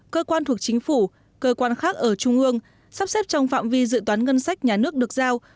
cơ quan thuộc chính phủ cơ quan khác ở trung ương sắp xếp trong phạm vi dự toán ngân sách nhà nước được giao